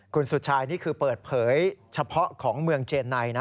คุณสุชายนี่คือเปิดเผยเฉพาะของเมืองเจนไนนะ